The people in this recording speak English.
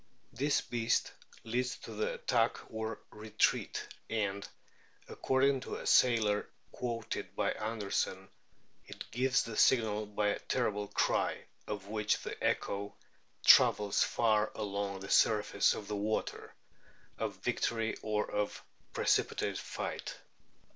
This beast leads to the attack or retreat, and, " according to a sailor quoted by Anderson, it gives the signal by a terrible cry, of which the echo travels far along the surface of the water, of victory or of a precipitate flight."